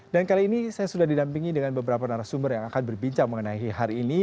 dan kali ini saya sudah didampingi dengan beberapa narasumber yang akan berbincang mengenai hari ini